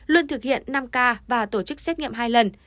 luôn thực hiện năm k và tổ chức xét nghiệm hai lần